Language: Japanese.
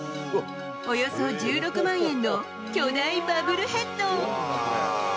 およそ１６万円の巨大バブルヘッド。